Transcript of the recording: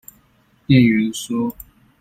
店員說